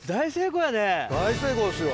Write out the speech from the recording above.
大成功ですよ。